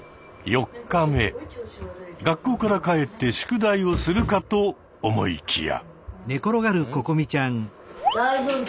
学校から帰って宿題をするかと思いきや。